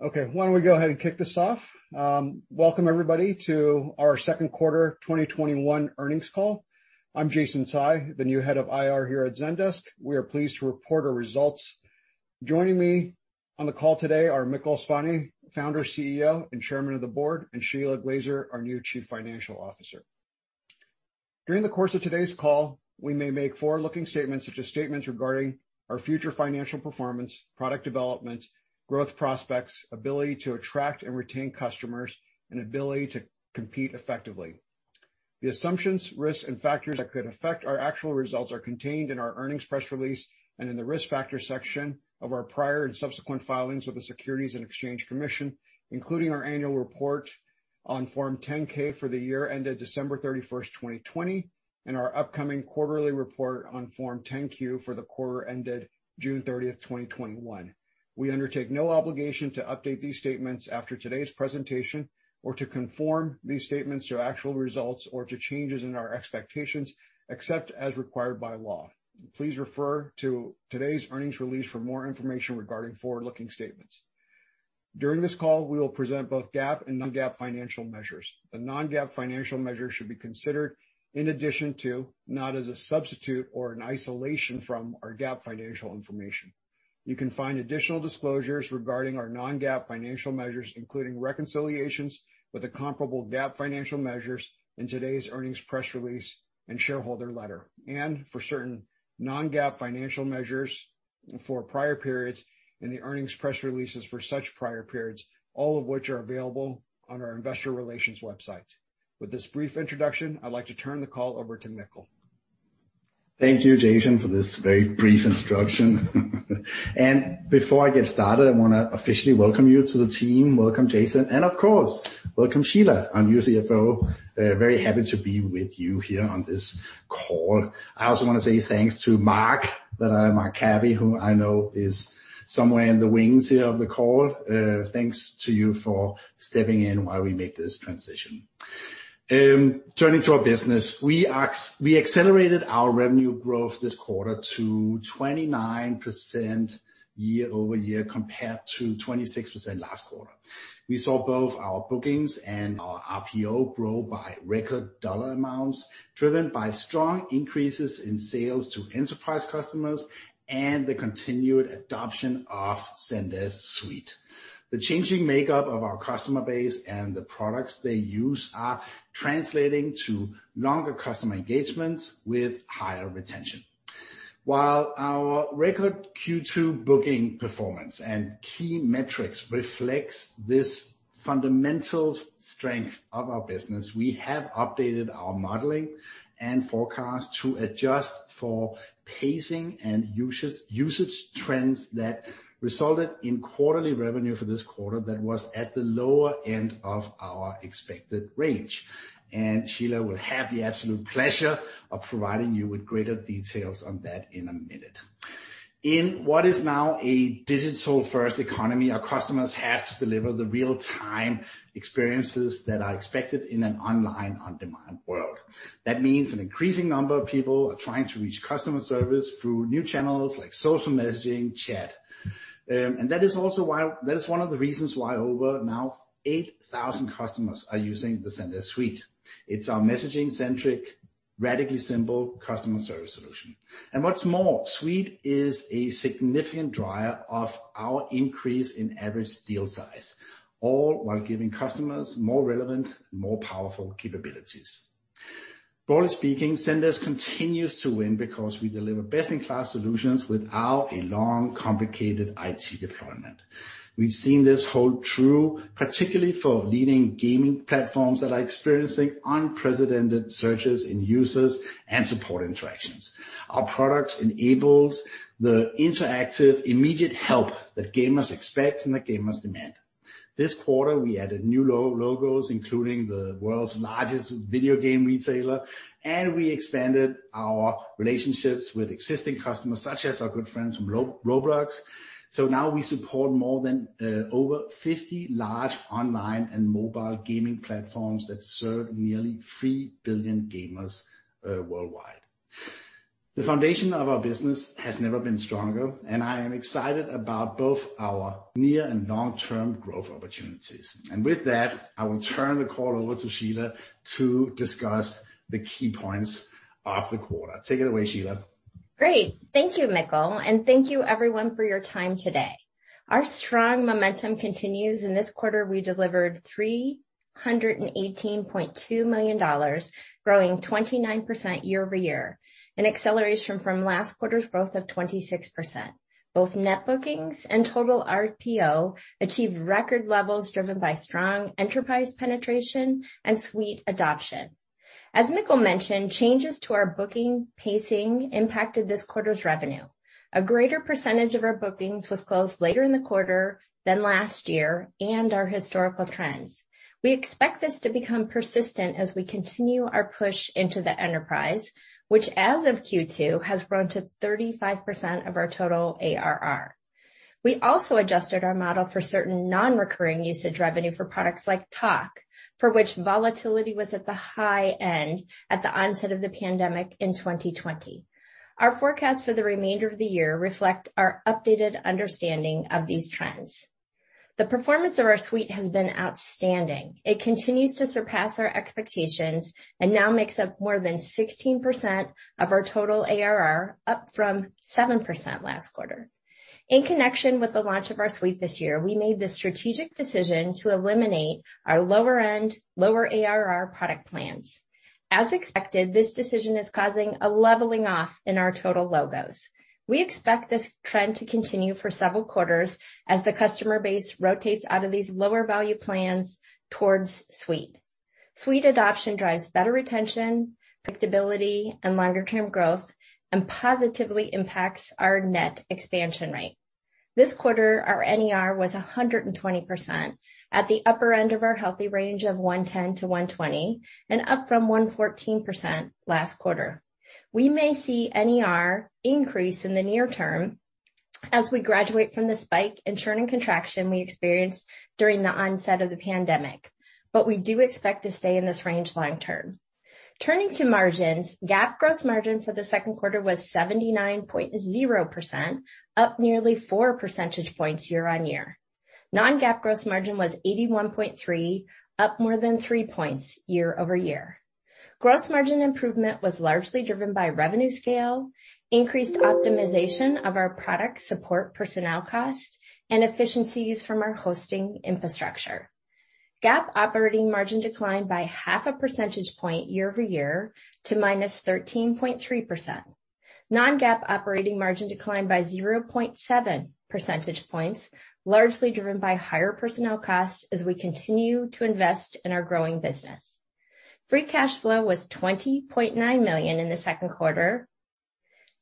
Why don't we go ahead and kick this off? Welcome everybody to our 2nd quarter 2021 earnings call. I'm Jason Tsai, the new Head of IR here at Zendesk. We are pleased to report our results. Joining me on the call today are Mikkel Svane, Founder, CEO, and Chairman of the Board, and Shelagh Glaser, our new Chief Financial Officer. During the course of today's call, we may make forward-looking statements, such as statements regarding our future financial performance, product development, growth prospects, ability to attract and retain customers, and ability to compete effectively. The assumptions, risks, and factors that could affect our actual results are contained in our earnings press release and in the risk factor section of our prior and subsequent filings with the Securities and Exchange Commission, including our annual report on Form 10-K for the year ended December 31st, 2020, and our upcoming quarterly report on Form 10-Q for the quarter ended June 30th, 2021. We undertake no obligation to update these statements after today's presentation or to conform these statements to actual results or to changes in our expectations, except as required by law. Please refer to today's earnings release for more information regarding forward-looking statements. During this call, we will present both GAAP and non-GAAP financial measures. The non-GAAP financial measures should be considered in addition to, not as a substitute or in isolation from, our GAAP financial information. You can find additional disclosures regarding our non-GAAP financial measures, including reconciliations with the comparable GAAP financial measures in today's earnings press release and shareholder letter. For certain non-GAAP financial measures for prior periods in the earnings press releases for such prior periods, all of which are available on our investor relations website. With this brief introduction, I'd like to turn the call over to Mikkel. Thank you, Jason, for this very brief introduction. Before I get started, I want to officially welcome you to the team. Welcome, Jason, and of course, welcome Shelagh, our new CFO. Very happy to be with you here on this call. I also want to say thanks to Marc Cabi, who I know is somewhere in the wings here of the call. Thanks to you for stepping in while we make this transition. Turning to our business, we accelerated our revenue growth this quarter to 29% year-over-year, compared to 26% last quarter. We saw both our bookings and our RPO grow by record dollar amounts, driven by strong increases in sales to enterprise customers and the continued adoption of Zendesk Suite. The changing makeup of our customer base and the products they use are translating to longer customer engagements with higher retention. While our record Q2 booking performance and key metrics reflects this fundamental strength of our business, we have updated our modeling and forecast to adjust for pacing and usage trends that resulted in quarterly revenue for this quarter that was at the lower end of our expected range. Shelagh Glaser will have the absolute pleasure of providing you with greater details on that in a minute. In what is now a digital-first economy, our customers have to deliver the real-time experiences that are expected in an online on-demand world. That means an increasing number of people are trying to reach customer service through new channels like social messaging, chat. That is one of the reasons why over now 8,000 customers are using the Zendesk Suite. It's our messaging-centric, radically simple customer service solution. What's more, Suite is a significant driver of our increase in average deal size, all while giving customers more relevant and more powerful capabilities. Broadly speaking, Zendesk continues to win because we deliver best-in-class solutions without a long, complicated IT deployment. We've seen this hold true particularly for leading gaming platforms that are experiencing unprecedented surges in users and support interactions. Our products enables the interactive, immediate help that gamers expect and that gamers demand. This quarter, we added new logos, including the world's largest video game retailer, and we expanded our relationships with existing customers, such as our good friends from Roblox. Now we support more than over 50 large online and mobile gaming platforms that serve nearly 3 billion gamers worldwide. The foundation of our business has never been stronger, and I am excited about both our near and long-term growth opportunities. With that, I will turn the call over to Shelagh to discuss the key points of the quarter. Take it away, Shelagh. Great. Thank you, Mikkel, and thank you everyone for your time today. Our strong momentum continues. In this quarter, we delivered $318.2 million, growing 29% year-over-year, an acceleration from last quarter's growth of 26%. Both net bookings and total RPO achieved record levels driven by strong enterprise penetration and Suite adoption. As Mikkel mentioned, changes to our booking pacing impacted this quarter's revenue. A greater percentage of our bookings was closed later in the quarter than last year and our historical trends. We expect this to become persistent as we continue our push into the enterprise, which as of Q2, has grown to 35% of our total ARR. We also adjusted our model for certain non-recurring usage revenue for products like Talk, for which volatility was at the high end at the onset of the pandemic in 2020. Our forecast for the remainder of the year reflect our updated understanding of these trends. The performance of our Suite has been outstanding. It continues to surpass our expectations and now makes up more than 16% of our total ARR, up from 7% last quarter. In connection with the launch of our Suite this year, we made the strategic decision to eliminate our lower end, lower ARR product plans. As expected, this decision is causing a leveling off in our total logos. We expect this trend to continue for several quarters as the customer base rotates out of these lower value plans towards Suite. Suite adoption drives better retention, predictability, and longer-term growth, and positively impacts our net expansion rate. This quarter, our NER was 120%, at the upper end of our healthy range of 110%-120%, and up from 114% last quarter. We may see NER increase in the near term as we graduate from the spike in churning contraction we experienced during the onset of the pandemic, but we do expect to stay in this range long term. Turning to margins, GAAP gross margin for the second quarter was 79.0%, up nearly 4 percentage points year-on-year. Non-GAAP gross margin was 81.3%, up more than three points year-over-year. Gross margin improvement was largely driven by revenue scale, increased optimization of our product support personnel cost, and efficiencies from our hosting infrastructure. GAAP operating margin declined by half a percentage point year-over-year to -13.3%. Non-GAAP operating margin declined by 0.7 percentage points, largely driven by higher personnel costs as we continue to invest in our growing business. Free cash flow was $20.9 million in the second quarter.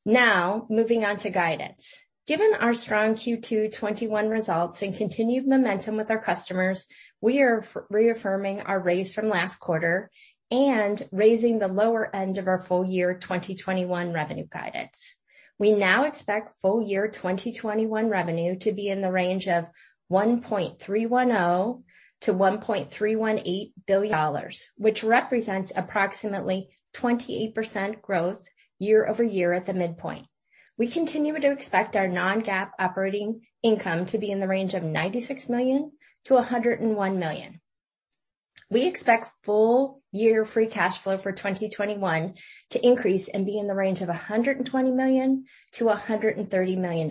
Now, moving on to guidance. Given our strong Q2 2021 results and continued momentum with our customers, we are reaffirming our raise from last quarter and raising the lower end of our full year 2021 revenue guidance. We now expect full year 2021 revenue to be in the range of $1.310 billion-$1.318 billion, which represents approximately 28% growth year-over-year at the midpoint. We continue to expect our non-GAAP operating income to be in the range of $96 million-$101 million. We expect full year free cash flow for 2021 to increase and be in the range of $120 million-$130 million.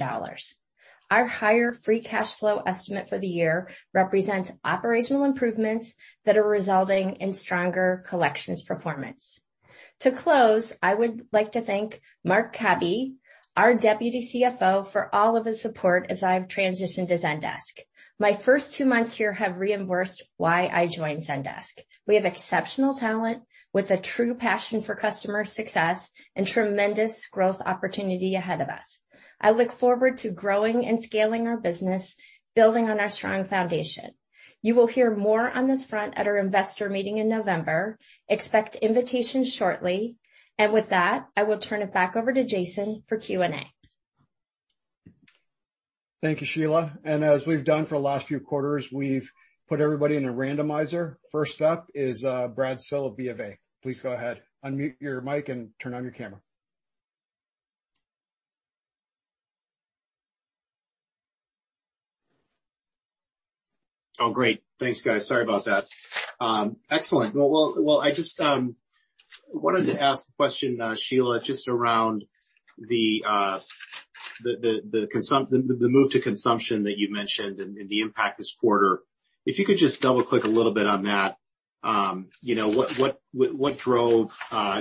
Our higher free cash flow estimate for the year represents operational improvements that are resulting in stronger collections performance. To close, I would like to thank Marc Cabi, our Deputy CFO, for all of his support as I've transitioned to Zendesk. My first two months here have reinforced why I joined Zendesk. We have exceptional talent with a true passion for customer success and tremendous growth opportunity ahead of us. I look forward to growing and scaling our business, building on our strong foundation. You will hear more on this front at our investor meeting in November. Expect invitations shortly. With that, I will turn it back over to Jason for Q&A. Thank you, Shelagh. As we've done for the last few quarters, we've put everybody in a randomizer. First up is Brad Sills of BofA. Please go ahead. Unmute your mic and turn on your camera. Great. Thanks, guys. Sorry about that. Excellent. I just wanted to ask a question, Shelagh, just around the move to consumption that you mentioned and the impact this quarter. If you could just double-click a little bit on that, what drove,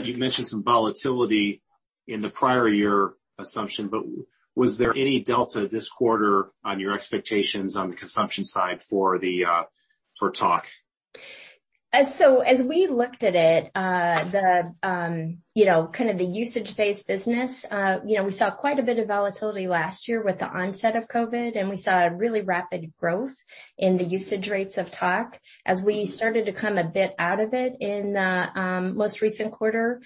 you mentioned some volatility in the prior year assumption, but was there any delta this quarter on your expectations on the consumption side for Talk? As we looked at it, the usage-based business, we saw quite a bit of volatility last year with the onset of COVID, and we saw a really rapid growth in the usage rates of Talk. As we started to come a bit out of it in the most recent quarter,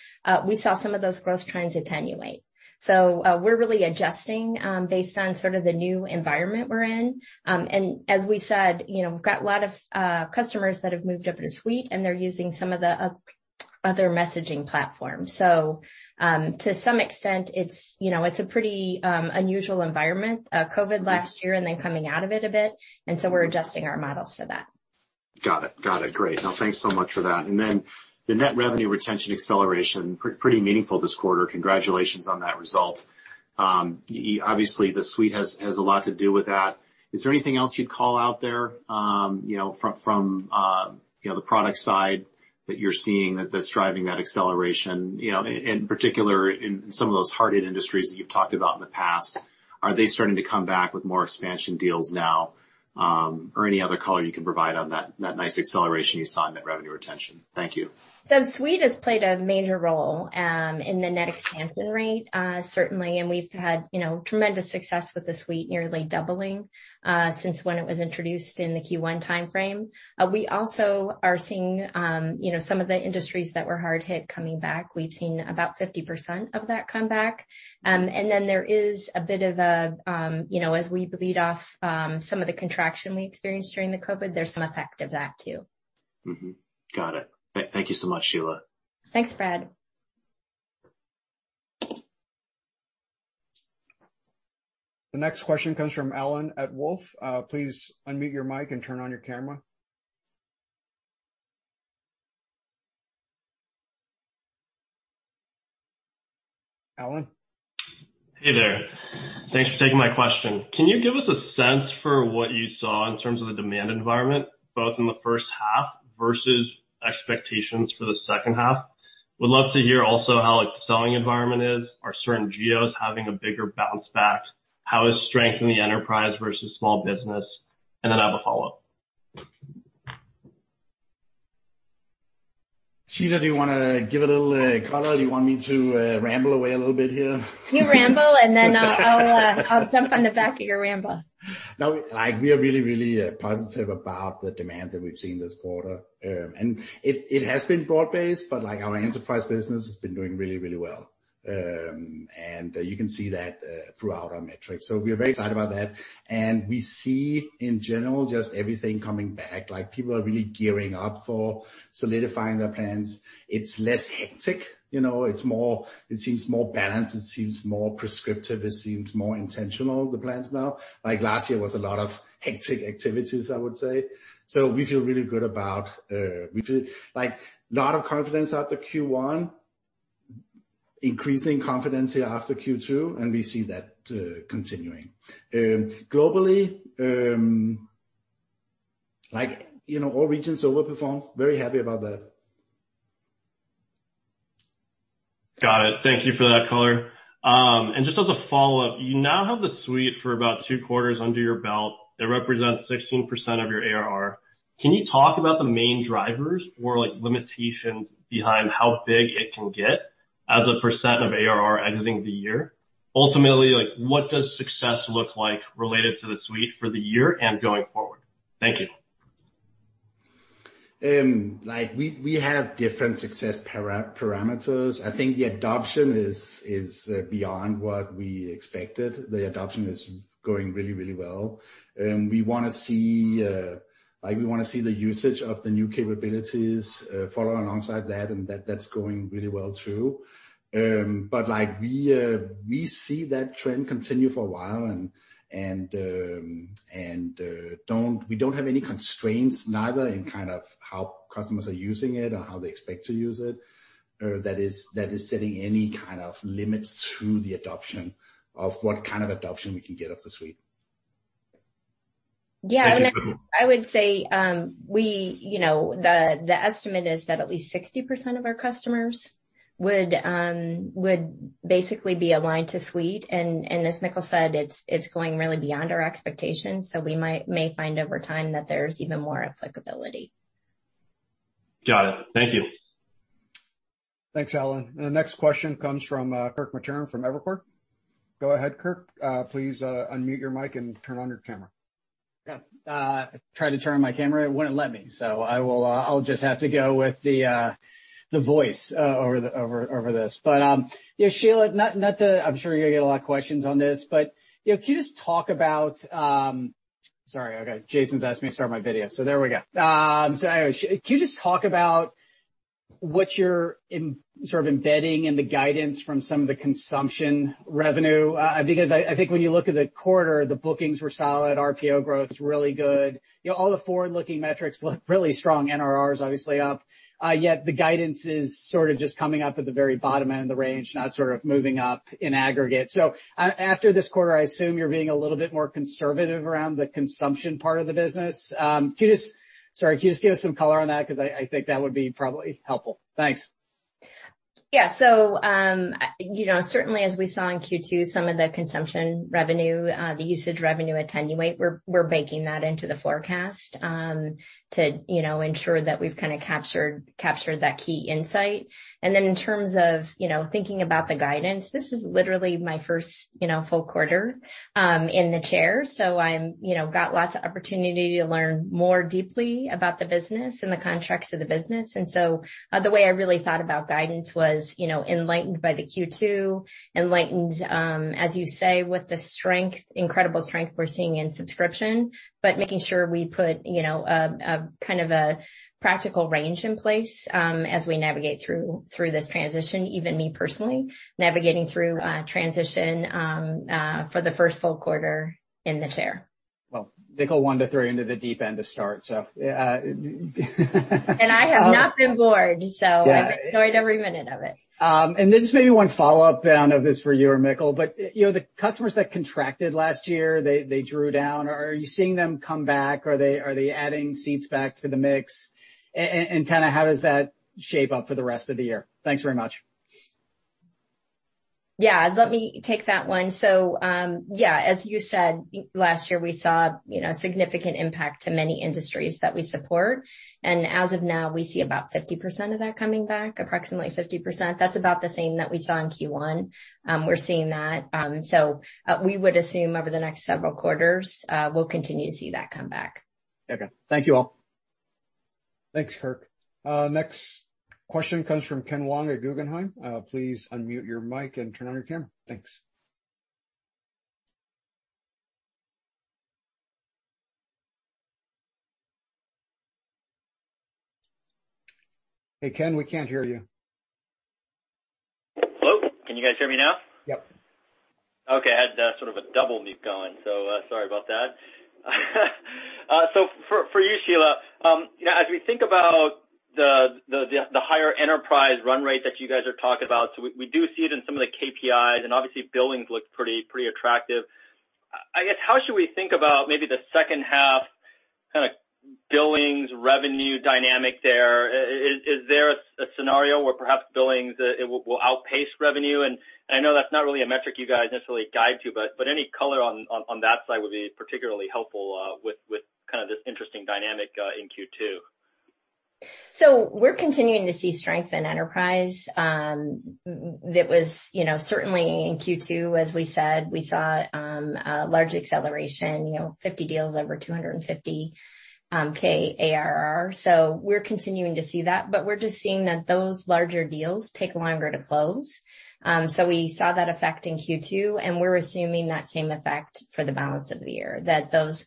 we saw some of those growth trends attenuate. We're really adjusting based on sort of the new environment we're in. As we said, we've got a lot of customers that have moved up to Suite, and they're using some of the other messaging platforms. To some extent, it's a pretty unusual environment, COVID last year and then coming out of it a bit, and so we're adjusting our models for that. Got it. Great. Thanks so much for that. The net revenue retention acceleration, pretty meaningful this quarter. Congratulations on that result. Obviously, the Suite has a lot to do with that. Is there anything else you'd call out there from the product side that you're seeing that's driving that acceleration, in particular in some of those hard-hit industries that you've talked about in the past? Are they starting to come back with more expansion deals now? Any other color you can provide on that nice acceleration you saw in net revenue retention. Thank you. Suite has played a major role in the net expansion rate, certainly, and we've had tremendous success with the Suite nearly doubling since when it was introduced in the Q1 timeframe. We also are seeing some of the industries that were hard hit coming back. We've seen about 50% of that come back. There is a bit of a, as we bleed off some of the contraction we experienced during the COVID, there's some effect of that, too. Mm-hmm. Got it. Thank you so much, Shelagh. Thanks, Brad. The next question comes from Alan at Wolfe. Please unmute your mic and turn on your camera. Alan? Hey there. Thanks for taking my question. Can you give us a sense for what you saw in terms of the demand environment, both in the first half versus expectations for the second half? Would love to hear also how the selling environment is. Are certain geos having a bigger bounce back? How is strength in the enterprise versus small business? I have a follow-up. Shelagh, do you want to give a little color? Do you want me to ramble away a little bit here? You ramble, and then I'll jump on the back of your ramble. No, we are really positive about the demand that we've seen this quarter. It has been broad-based, but our enterprise business has been doing really well. You can see that throughout our metrics. We are very excited about that. We see, in general, just everything coming back. People are really gearing up for solidifying their plans. It's less hectic. It seems more balanced. It seems more prescriptive. It seems more intentional, the plans now. Last year was a lot of hectic activities, I would say. We feel really good about A lot of confidence after Q1, increasing confidence here after Q2, and we see that continuing. Globally, all regions overperformed. Very happy about that. Got it. Thank you for that color. Just as a follow-up, you now have the suite for about two quarters under your belt. It represents 16% of your ARR. Can you talk about the main drivers or limitations behind how big it can get as a percent of ARR exiting the year? Ultimately, what does success look like related to the suite for the year and going forward? Thank you. We have different success parameters. I think the adoption is beyond what we expected. The adoption is going really, really well. We want to see the usage of the new capabilities follow alongside that, and that's going really well, too. We see that trend continue for a while, and we don't have any constraints neither in how customers are using it or how they expect to use it that is setting any kind of limits to the adoption of what kind of adoption we can get of the suite. Yeah. I would say the estimate is that at least 60% of our customers would basically be aligned to Suite. As Mikkel said, it's going really beyond our expectations. We may find over time that there's even more applicability. Got it. Thank you. Thanks, Alan. The next question comes from Kirk Materne from Evercore. Go ahead, Kirk. Please unmute your mic and turn on your camera. I tried to turn on my camera, it wouldn't let me, so I'll just have to go with the voice over this. Shelagh Glaser, I'm sure you're going to get a lot of questions on this, but can you just talk about Jason Tsai's asked me to start my video. There we go. Anyway, can you just talk about what you're sort of embedding in the guidance from some of the consumption revenue? I think when you look at the quarter, the bookings were solid. RPO growth's really good. All the forward-looking metrics look really strong. NRR is obviously up. The guidance is sort of just coming up at the very bottom end of the range, not sort of moving up in aggregate. After this quarter, I assume you're being a little bit more conservative around the consumption part of the business. Sorry. Can you just give us some color on that? I think that would be probably helpful. Thanks. Certainly as we saw in Q2, some of the consumption revenue, the usage revenue attenuate. We're baking that into the forecast to ensure that we've kind of captured that key insight. In terms of thinking about the guidance, this is literally my first full quarter in the chair. I've got lots of opportunity to learn more deeply about the business and the contracts of the business. The way I really thought about guidance was enlightened by the Q2, enlightened, as you say, with the incredible strength we're seeing in subscription. Making sure we put a kind of a practical range in place as we navigate through this transition. Even me personally navigating through transition for the first full quarter in the chair. Well, Mikkel, one, two, three into the deep end to start. I have not been bored, so I've enjoyed every minute of it. Just maybe one follow-up. I don't know if this is for you or Mikkel, but the customers that contracted last year, they drew down. Are you seeing them come back? Are they adding seats back to the mix? Kind of how does that shape up for the rest of the year? Thanks very much. Yeah. Let me take that one. Yeah, as you said, last year, we saw significant impact to many industries that we support. As of now, we see about 50% of that coming back, approximately 50%. That's about the same that we saw in Q1. We're seeing that. We would assume over the next several quarters, we'll continue to see that come back. Okay. Thank you all. Thanks, Kirk. Next question comes from Ken Wong at Guggenheim. Please unmute your mic and turn on your camera. Thanks. Hey, Ken, we can't hear you. Hello? Can you guys hear me now? Yep. Okay. I had sort of a double mute going, so sorry about that. For you, Shelagh, as we think about the higher enterprise run rate that you guys are talking about, we do see it in some of the KPIs, obviously billings look pretty attractive. I guess, how should we think about maybe the second half kind of billings revenue dynamic there? Is there a scenario where perhaps billings will outpace revenue? I know that's not really a metric you guys necessarily guide to, but any color on that side would be particularly helpful with this interesting dynamic in Q2. We're continuing to see strength in enterprise. That was certainly in Q2, as we said, we saw a large acceleration, 50 deals over $250,000 ARR. We're continuing to see that. We're just seeing that those larger deals take longer to close. We saw that effect in Q2, and we're assuming that same effect for the balance of the year, that those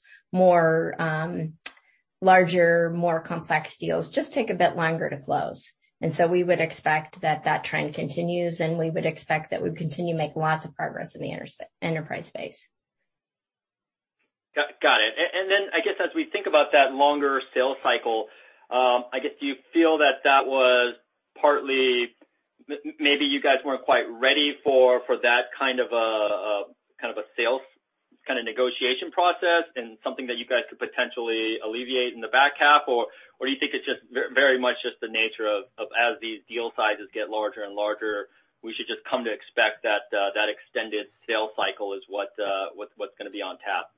larger, more complex deals just take a bit longer to close. We would expect that that trend continues, and we would expect that we continue to make lots of progress in the enterprise space. Got it. I guess as we think about that longer sales cycle, I guess, do you feel that that was partly maybe you guys weren't quite ready for that kind of a sales kind of negotiation process and something that you guys could potentially alleviate in the back half? Do you think it's just very much just the nature of as these deal sizes get larger and larger, we should just come to expect that extended sales cycle is what's going to be on tap?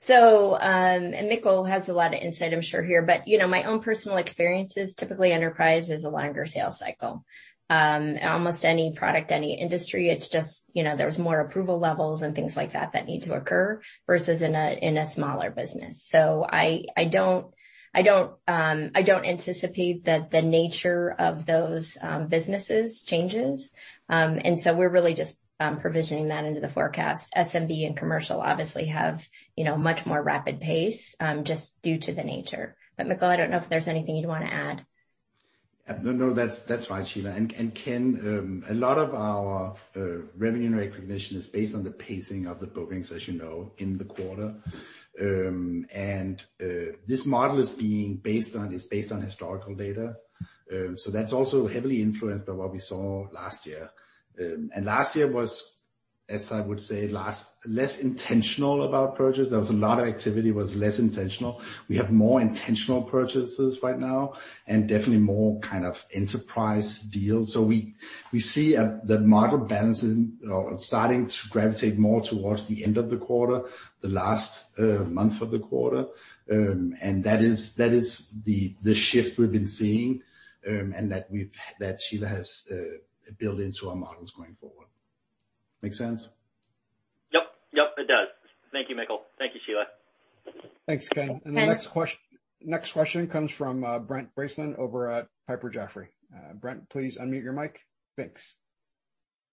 Mikkel has a lot of insight, I'm sure, here, but my own personal experience is typically enterprise is a longer sales cycle. Almost any product, any industry, it's just there's more approval levels and things like that that need to occur versus in a smaller business. I don't anticipate that the nature of those businesses changes. We're really just provisioning that into the forecast. SMB and commercial obviously have much more rapid pace, just due to the nature. Mikkel, I don't know if there's anything you'd want to add. No, that's fine, Shelagh. Ken, a lot of our revenue recognition is based on the pacing of the bookings, as you know, in the quarter. This model is based on historical data. That's also heavily influenced by what we saw last year. Last year was, as I would say, less intentional about purchases. There was a lot of activity, was less intentional. We have more intentional purchases right now and definitely more kind of enterprise deals. We see the model balancing or starting to gravitate more towards the end of the quarter, the last month of the quarter. That is the shift we've been seeing, and that Shelagh has built into our models going forward. Make sense? Yep. It does. Thank you, Mikkel. Thank you, Shelagh. Thanks, Ken. Thanks. The next question comes from Brent Bracelin over at Piper Sandler. Brent, please unmute your mic. Thanks.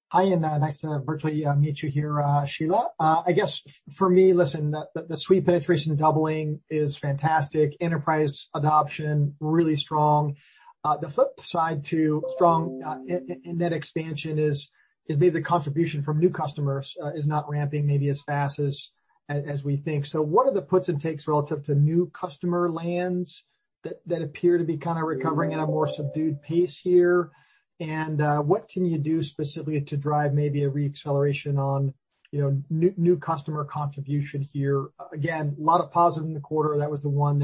Hi, nice to virtually meet you here, Shelagh. I guess for me, listen, the Suite penetration doubling is fantastic. Enterprise adoption, really strong. The flip side to strong net expansion is maybe the contribution from new customers is not ramping maybe as fast as we think. What are the puts and takes relative to new customer lands that appear to be kind of recovering at a more subdued pace here? What can you do specifically to drive maybe a re-acceleration on new customer contribution here? Again, a lot of positive in the quarter. That was the 1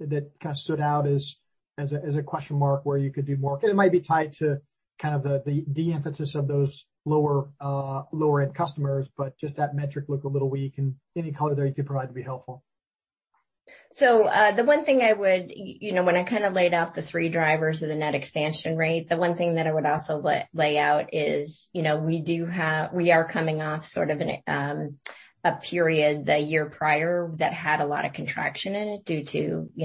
that kind of stood out as a question mark where you could do more. It might be tied to kind of the de-emphasis of those lower-end customers, but just that metric looked a little weak and any color there you could provide would be helpful. The one thing I would, when I kind of laid out the three drivers of the net expansion rate, the one thing that I would also lay out is we are coming off sort of a period the year prior that had a lot of contraction in it due to the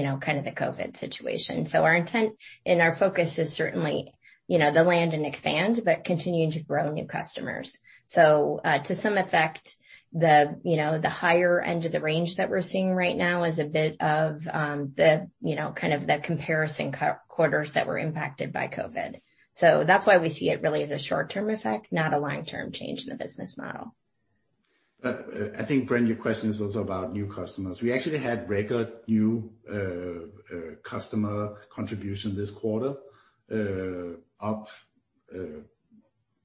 COVID situation. Our intent and our focus is certainly the land and expand, but continuing to grow new customers. To some effect, the higher end of the range that we're seeing right now is a bit of the comparison quarters that were impacted by COVID. That's why we see it really as a short-term effect, not a long-term change in the business model. I think, Brent, your question is also about new customers. We actually had record new customer contribution this quarter, up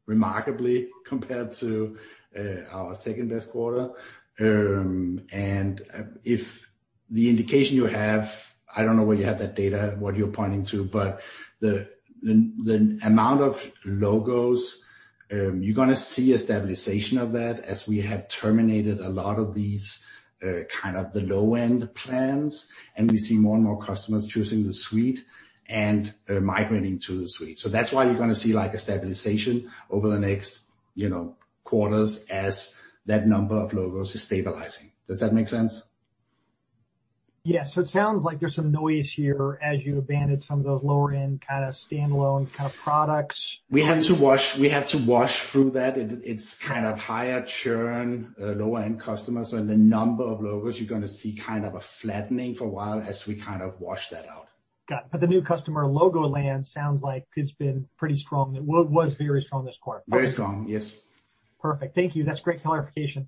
remarkably compared to our second best quarter. If the indication you have, I don't know where you have that data, what you're pointing to, but the amount of logos, you're going to see a stabilization of that as we have terminated a lot of these kind of the low-end plans, and we see more and more customers choosing the Suite and migrating to the Suite. That's why you're going to see a stabilization over the next quarters as that number of logos is stabilizing. Does that make sense? Yeah. It sounds like there's some noise here as you abandoned some of those lower-end kind of standalone kind of products. We have to wash through that. It's kind of higher churn, lower-end customers, and the number of logos, you're going to see kind of a flattening for a while as we kind of wash that out. Got it. The new customer logo land sounds like it's been pretty strong. It was very strong this quarter. Very strong, yes. Perfect. Thank you. That's great clarification.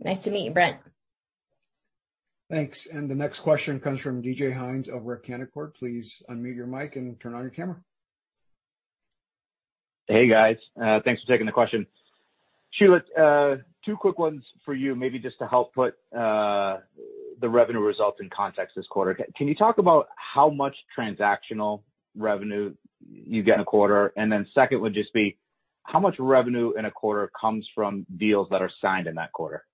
Nice to meet you, Brent. Thanks. The next question comes from D.J. Hynes over at Canaccord. Please unmute your mic and turn on your camera. Hey, guys. Thanks for taking the question. Shelagh, two quick ones for you, maybe just to help put the revenue results in context this quarter. Can you talk about how much transactional revenue you get in a quarter? Second would just be how much revenue in a quarter comes from deals that are signed in that quarter?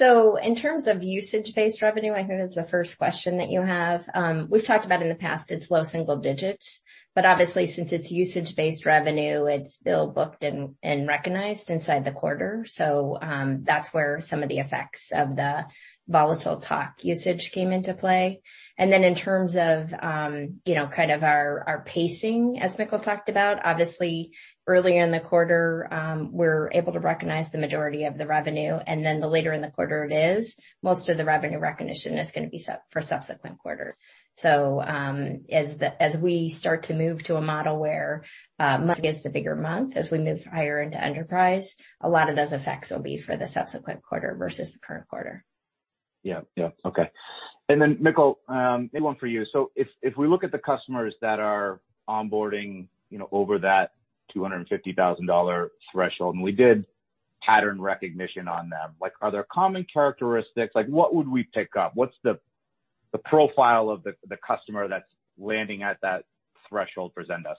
In terms of usage-based revenue, I think that's the first question that you have. We've talked about in the past, it's low single digits, but obviously since it's usage-based revenue, it's still booked and recognized inside the quarter. That's where some of the effects of the volatile Talk usage came into play. In terms of our pacing, as Mikkel talked about, obviously earlier in the quarter, we're able to recognize the majority of the revenue, and then the later in the quarter it is, most of the revenue recognition is going to be for subsequent quarters. As we start to move to a model where [mass] is the bigger month, as we move higher into enterprise, a lot of those effects will be for the subsequent quarter versus the current quarter. Yeah. Okay. Mikkel, maybe one for you. If we look at the customers that are onboarding over that $250,000 threshold, and we did pattern recognition on them, are there common characteristics? What would we pick up? What's the profile of the customer that's landing at that threshold for Zendesk?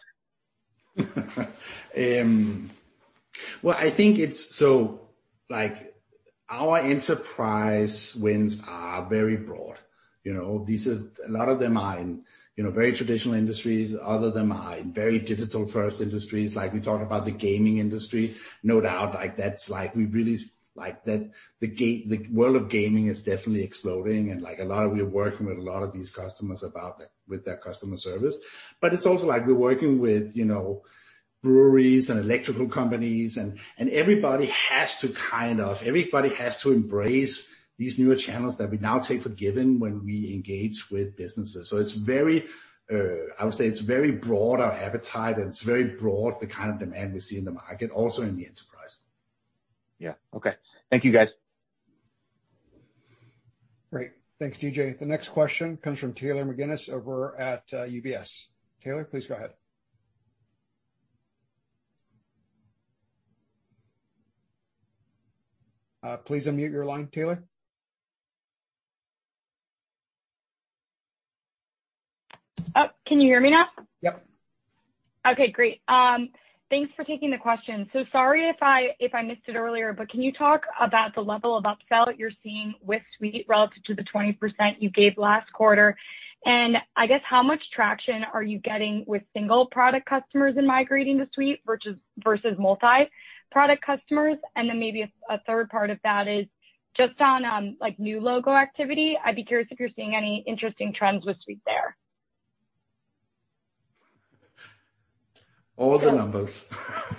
Our enterprise wins are very broad. A lot of them are in very traditional industries. Other of them are in very digital-first industries. We talk about the gaming industry, no doubt. The world of gaming is definitely exploding and we're working with a lot of these customers about that with their customer service. It's also we're working with breweries and electrical companies, and everybody has to embrace these newer channels that we now take for given when we engage with businesses. I would say it's very broad, our appetite, and it's very broad, the kind of demand we see in the market, also in the enterprise. Yeah. Okay. Thank you, guys. Great. Thanks, D.J. The next question comes from Taylor McGinnis over at UBS. Taylor, please go ahead. Please unmute your line, Taylor. Oh, can you hear me now? Yep. Okay, great. Thanks for taking the question. Sorry if I missed it earlier, but can you talk about the level of upsell you're seeing with Suite relative to the 20% you gave last quarter? I guess how much traction are you getting with single product customers in migrating to Suite versus multi-product customers? Maybe a third part of that is just on new logo activity, I'd be curious if you're seeing any interesting trends with Suite there. All the numbers.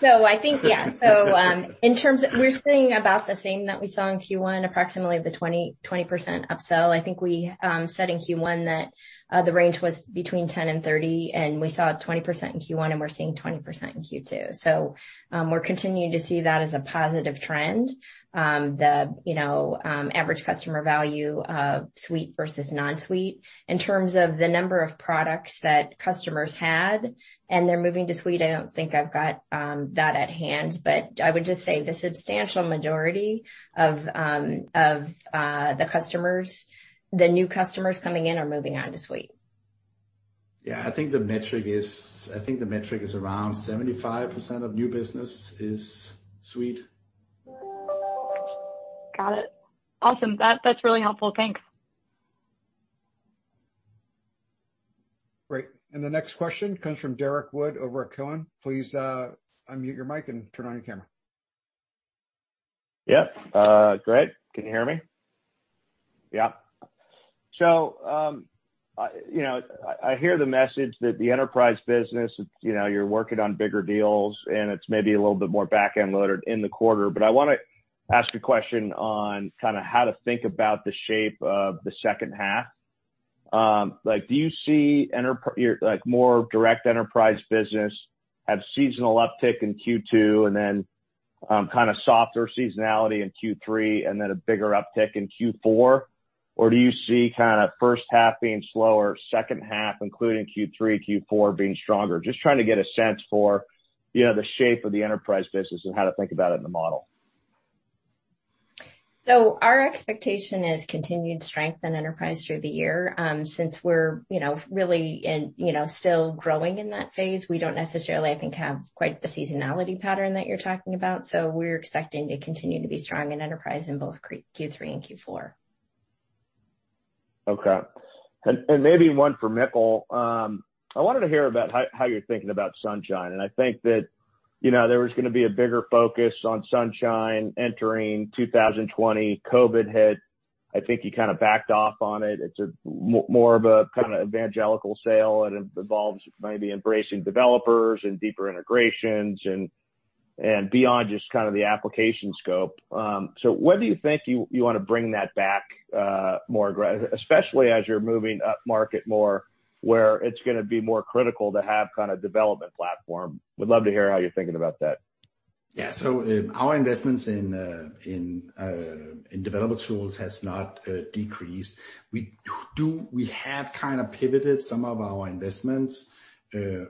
I think, yeah. We're seeing about the same that we saw in Q1, approximately the 20% upsell. I think we said in Q1 that the range was between 10% and 30%, and we saw 20% in Q1, and we're seeing 20% in Q2. We're continuing to see that as a positive trend, the average customer value of Suite versus non-Suite. In terms of the number of products that customers had and they're moving to Suite, I don't think I've got that at hand, but I would just say the substantial majority of the customers, the new customers coming in are moving on to Suite. Yeah, I think the metric is around 75% of new business is Suite. Got it. Awesome. That's really helpful. Thanks. Great. The next question comes from Derrick Wood over at Cowen. Please unmute your mic and turn on your camera. Yeah. Great. Can you hear me? Yeah. I hear the message that the enterprise business, you're working on bigger deals, and it's maybe a little bit more back-end loaded in the quarter. I want to ask a question on how to think about the shape of the second half. Do you see more direct enterprise business have seasonal uptick in Q2 and then softer seasonality in Q3 and then a bigger uptick in Q4? Do you see first half being slower, second half, including Q3, Q4, being stronger? Just trying to get a sense for the shape of the enterprise business and how to think about it in the model. Our expectation is continued strength in enterprise through the year. Since we're really still growing in that phase, we don't necessarily, I think, have quite the seasonality pattern that you're talking about. We're expecting to continue to be strong in enterprise in both Q3 and Q4. Okay. Maybe one for Mikkel. I wanted to hear about how you're thinking about Sunshine, and I think that there was going to be a bigger focus on Sunshine entering 2020. COVID hit. I think you backed off on it. It's more of an evangelical sale, and it involves maybe embracing developers and deeper integrations and beyond just the application scope. Whether you think you want to bring that back, especially as you're moving upmarket more where it's going to be more critical to have development platform. Would love to hear how you're thinking about that. Yeah. Our investments in developer tools has not decreased. We have kind of pivoted some of our investments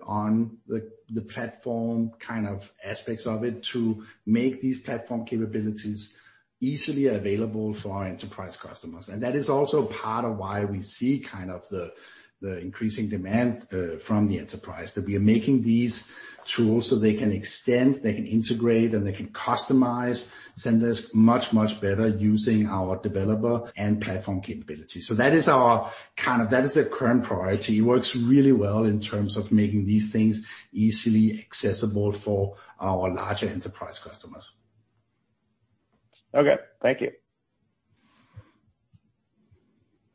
on the platform kind of aspects of it to make these platform capabilities easily available for our enterprise customers. That is also part of why we see the increasing demand from the enterprise, that we are making these tools so they can extend, they can integrate, and they can customize Zendesk much, much better using our developer and platform capabilities. That is our current priority. Works really well in terms of making these things easily accessible for our larger enterprise customers. Okay. Thank you.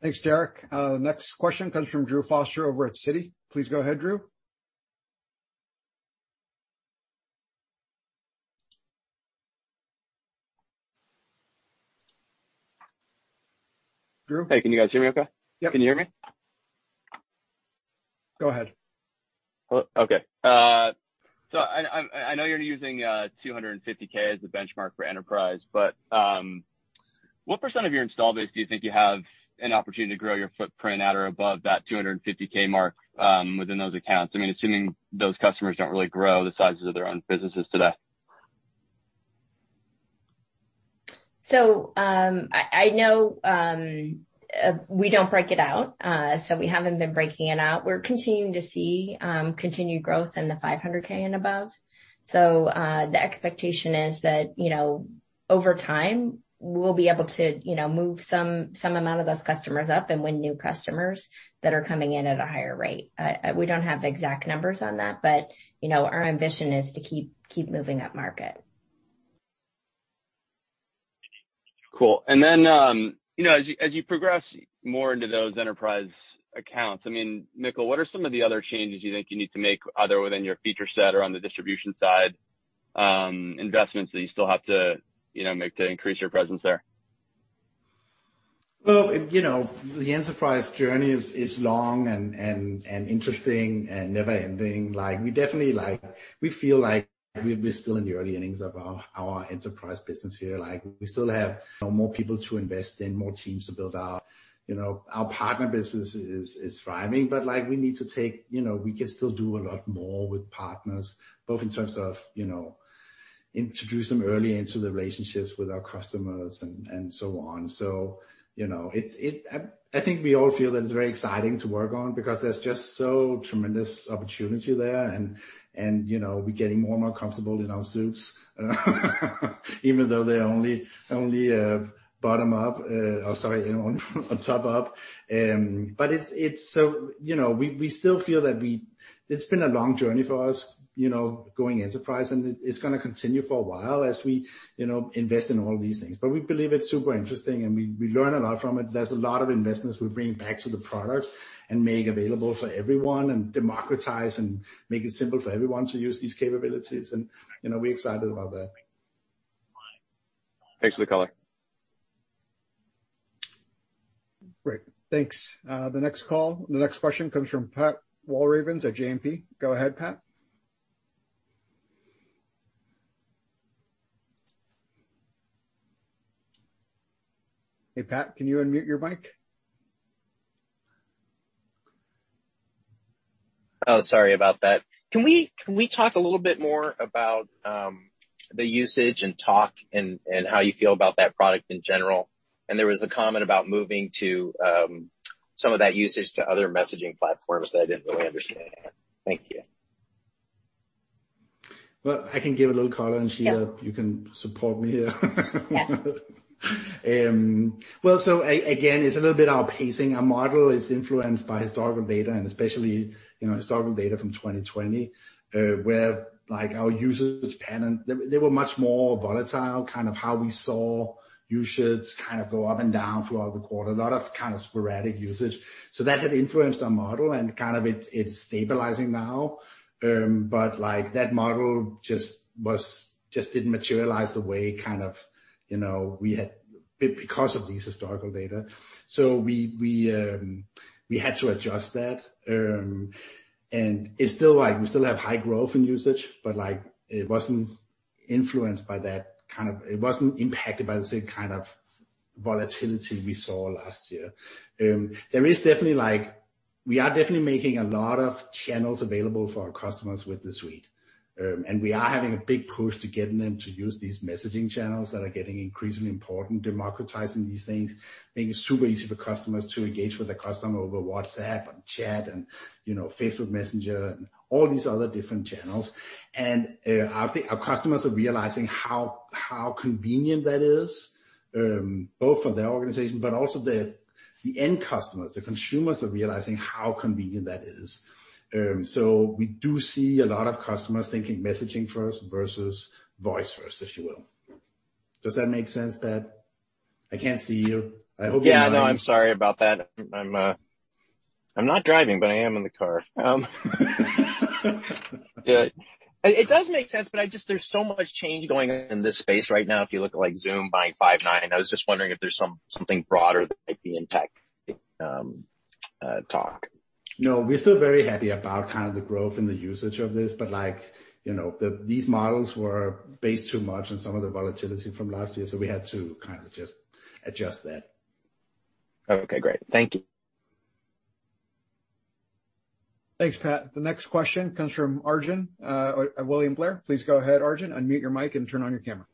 Thanks, Derrick. Next question comes from Drew Foster over at Citi. Please go ahead, Drew. Drew? Hey, can you guys hear me okay? Yep. Can you hear me? Go ahead. Okay. I know you're using $250,000 as the benchmark for enterprise, but what percentage of your install base do you think you have an opportunity to grow your footprint at or above that $250,000 mark within those accounts? I mean, assuming those customers don't really grow the sizes of their own businesses today. I know we don't break it out. We haven't been breaking it out. We're continuing to see continued growth in the $500,000 and above. The expectation is that, over time, we'll be able to move some amount of those customers up and win new customers that are coming in at a higher rate. We don't have exact numbers on that, but our ambition is to keep moving up market. Cool. Then as you progress more into those enterprise accounts, Mikkel, what are some of the other changes you think you need to make, either within your feature set or on the distribution side, investments that you still have to make to increase your presence there? Well, the enterprise journey is long and interesting and never-ending. We feel like we're still in the early innings of our enterprise business here. We still have more people to invest in, more teams to build out. Our partner business is thriving, we can still do a lot more with partners, both in terms of introduce them early into the relationships with our customers and so on. I think we all feel that it's very exciting to work on because there's just so tremendous opportunity there, and we're getting more and more comfortable in our suits. Even though they're only bottom up. Sorry, top up. We still feel that it's been a long journey for us going enterprise, and it's going to continue for a while as we invest in all these things. We believe it's super interesting, and we learn a lot from it. There's a lot of investments we bring back to the products and make available for everyone and democratize and make it simple for everyone to use these capabilities, and we're excited about that. Thanks, Mikkel. Great. Thanks. The next question comes from Pat Walravens at JMP. Go ahead, Pat. Hey, Pat, can you unmute your mic? Oh, sorry about that. Can we talk a little bit more about the usage in Talk and how you feel about that product in general? There was the comment about moving some of that usage to other messaging platforms that I didn't really understand. Thank you. Well, I can give a little color, and Shelagh, you can support me here. Yeah. Well, again, it's a little bit our pacing. Our model is influenced by historical data, and especially historical data from 2020, where our users pattern, they were much more volatile, kind of how we saw usage kind of go up and down throughout the quarter. A lot of kind of sporadic usage. That had influenced our model, and it's stabilizing now. That model just didn't materialize the way we had because of these historical data. We had to adjust that. We still have high growth in usage, but it wasn't impacted by the same kind of volatility we saw last year. We are definitely making a lot of channels available for our customers with the Suite. We are having a big push to getting them to use these messaging channels that are getting increasingly important, democratizing these things, making it super easy for customers to engage with the customer over WhatsApp and chat and Facebook Messenger and all these other different channels. Our customers are realizing how convenient that is, both for their organization, but also the end customers. The consumers are realizing how convenient that is. We do see a lot of customers thinking messaging first versus voice first, if you will. Does that make sense, Pat? I can't see you. I hope you're nodding. Yeah. No, I'm sorry about that. I'm not driving, but I am in the car. It does make sense, but there's so much change going on in this space right now if you look at Zoom buying Five9. I was just wondering if there's something broader that might be in tech. No, we're still very happy about the growth in the usage of this, but these models were based too much on some of the volatility from last year. We had to just adjust that. Okay, great. Thank you. Thanks, Pat. The next question comes from Arjun at William Blair. Please go ahead, Arjun, unmute your mic and turn on your camera.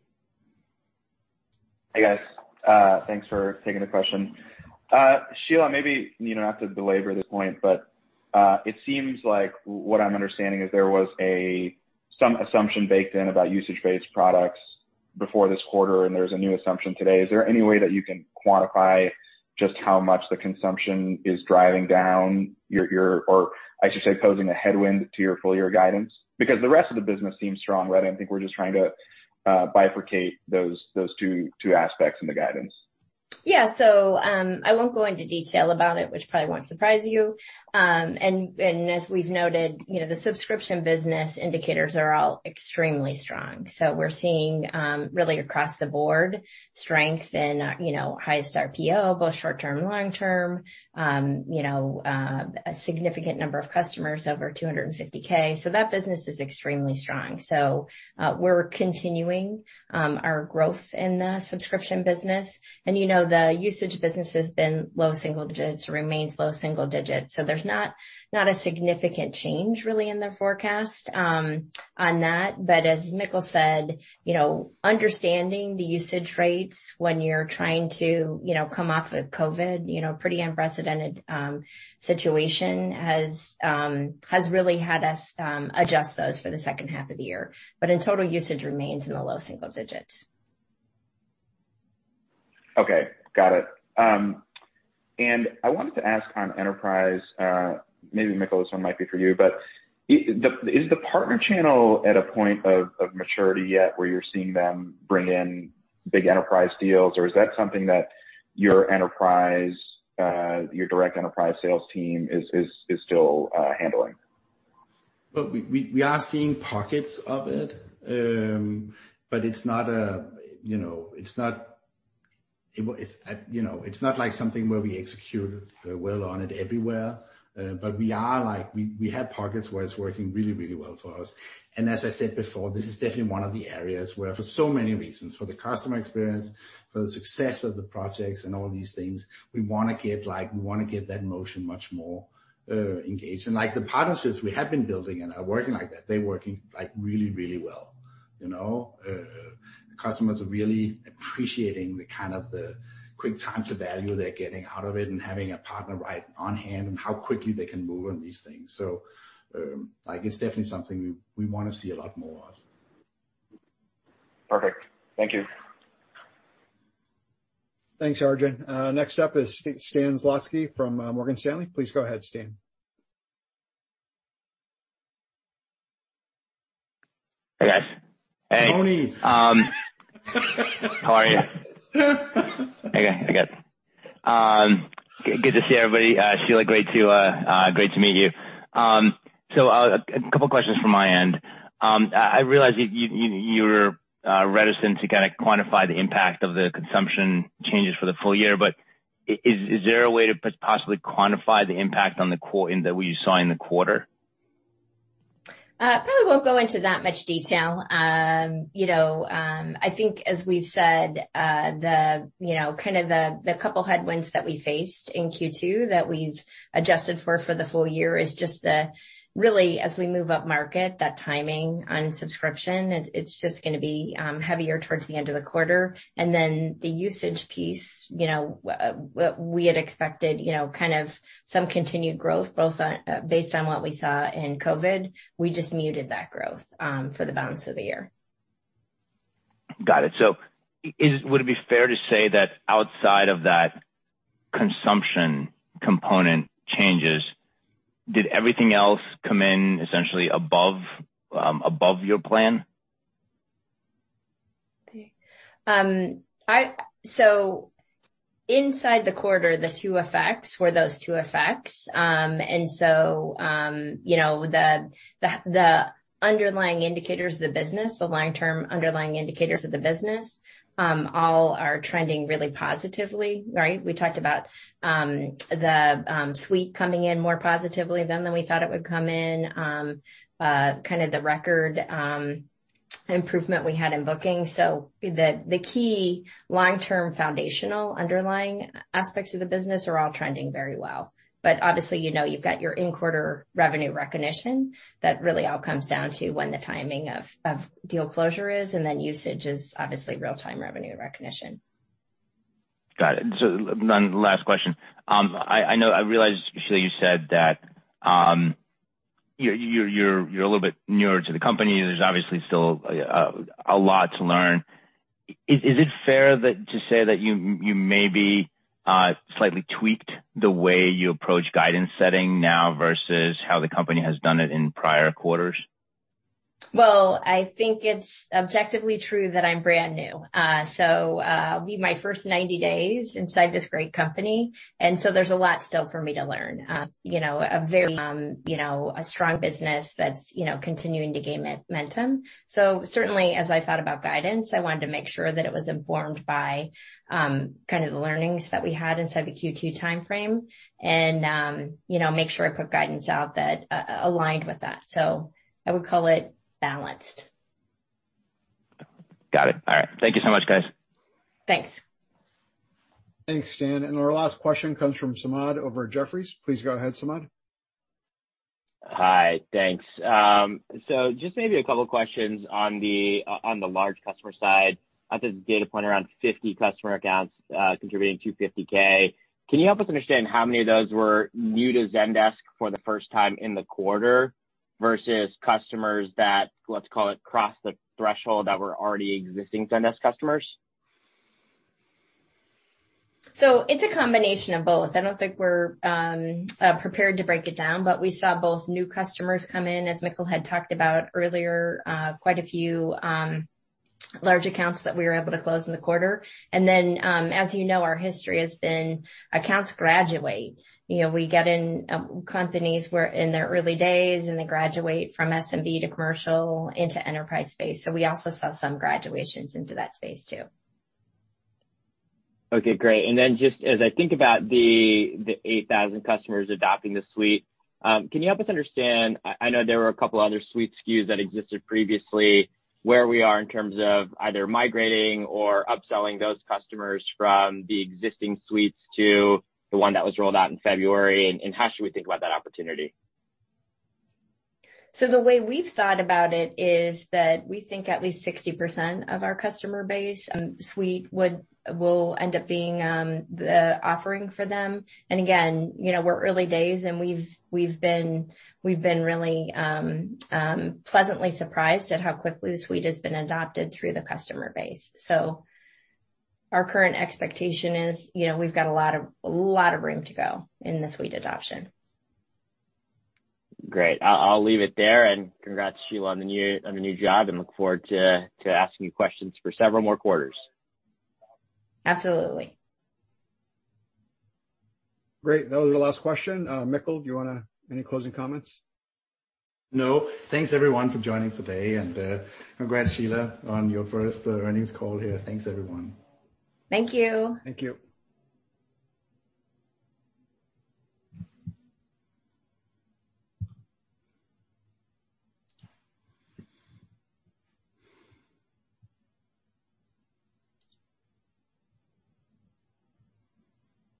Hey, guys. Thanks for taking the question. Shelagh, maybe you don't have to belabor this point, but it seems like what I'm understanding is there was some assumption baked in about usage-based products before this quarter, and there's a new assumption today. Is there any way that you can quantify just how much the consumption is driving down your, or I should say, posing a headwind to your full-year guidance? The rest of the business seems strong, right? I think we're just trying to bifurcate those two aspects in the guidance. Yeah. I won't go into detail about it, which probably won't surprise you. As we've noted, the subscription business indicators are all extremely strong. We're seeing really across the board strength in highest RPO, both short term and long term, a significant number of customers over $250,000. That business is extremely strong. We're continuing our growth in the subscription business. The usage business has been low single digits, remains low single digits. There's not a significant change really in the forecast on that. As Mikkel said, understanding the usage rates when you're trying to come off of COVID, pretty unprecedented situation, has really had us adjust those for the second half of the year. In total, usage remains in the low single digits. Okay. Got it. I wanted to ask on enterprise, maybe Mikkel, this one might be for you, but is the partner channel at a point of maturity yet where you're seeing them bring in big enterprise deals, or is that something that your direct enterprise sales team is still handling? Well, we are seeing pockets of it. It's not like something where we execute well on it everywhere. We have pockets where it's working really well for us. As I said before, this is definitely one of the areas where for so many reasons, for the customer experience, for the success of the projects and all these things, we want to get that motion much more engaged. The partnerships we have been building and are working like that, they're working really well. The customers are really appreciating the quick time to value they're getting out of it and having a partner right on hand, and how quickly they can move on these things. It's definitely something we want to see a lot more of. Perfect. Thank you. Thanks, Arjun. Next up is Stan Zlotsky from Morgan Stanley. Please go ahead, Stan. Hey, guys. Hey. Morning. How are you? Hey, guys. Good to see everybody. Shelagh, great to meet you. A couple questions from my end. I realize you're reticent to kind of quantify the impact of the consumption changes for the full year, is there a way to possibly quantify the impact that we saw in the quarter? Probably won't go into that much detail. I think as we've said, the couple headwinds that we faced in Q2 that we've adjusted for the full year is just the really, as we move up market, that timing on subscription, it's just going to be heavier towards the end of the quarter. The usage piece, we had expected kind of some continued growth both based on what we saw in COVID, we just muted that growth for the balance of the year. Got it. Would it be fair to say that outside of that consumption component changes, did everything else come in essentially above your plan? Inside the quarter, the two effects were those two effects. The underlying indicators of the business, the long-term underlying indicators of the business, all are trending really positively. Right. We talked about the Zendesk Suite coming in more positively than we thought it would come in. Kind of the record improvement we had in booking. The key long-term foundational underlying aspects of the business are all trending very well. Obviously, you've got your in-quarter revenue recognition that really all comes down to when the timing of deal closure is, and then usage is obviously real-time revenue recognition. Last question. I realize, Shelagh, you said that you're a little bit newer to the company. There's obviously still a lot to learn. Is it fair to say that you maybe slightly tweaked the way you approach guidance setting now versus how the company has done it in prior quarters? I think it's objectively true that I'm brand new. It'll be my first 90 days inside this great company. There's a lot still for me to learn. A very strong business that's continuing to gain momentum. As I thought about guidance, I wanted to make sure that it was informed by the learnings that we had inside the Q2 timeframe and make sure to put guidance out that aligned with that. I would call it balanced. Got it. All right. Thank you so much, guys. Thanks. Thanks, Stan Zlotsky. Our last question comes from Samad Samana over at Jefferies. Please go ahead, Samad Samana. Hi. Thanks. Just maybe two questions on the large customer side. I think the data point around 50 customer accounts contributing $250,000, can you help us understand how many of those were new to Zendesk for the first time in the quarter versus customers that, let's call it, crossed the threshold that were already existing Zendesk customers? It's a combination of both. I don't think we're prepared to break it down, but we saw both new customers come in, as Mikkel had talked about earlier, quite a few large accounts that we were able to close in the quarter. As you know, our history has been accounts graduate. We get in companies in their early days, and they graduate from SMB to commercial into enterprise space. We also saw some graduations into that space, too. Okay, great. Just as I think about the 8,000 customers adopting the Suite, can you help us understand, I know there were a couple other Suite SKUs that existed previously, where we are in terms of either migrating or upselling those customers from the existing Suites to the one that was rolled out in February, and how should we think about that opportunity? The way we've thought about it is that we think at least 60% of our customer base Suite will end up being the offering for them. Again, we're early days, and we've been really pleasantly surprised at how quickly the Suite has been adopted through the customer base. Our current expectation is we've got a lot of room to go in the Suite adoption. Great. I'll leave it there, and congrats, Shelagh, on the new job, and look forward to asking you questions for several more quarters. Absolutely. Great. That was our last question. Mikkel, any closing comments? No. Thanks, everyone, for joining today. Congrats, Shelagh, on your first earnings call here. Thanks, everyone. Thank you. Thank you.